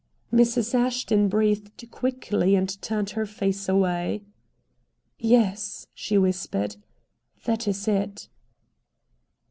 Mrs. Ashton breathed quickly and turned her face away. "Yes," she whispered. "That is it."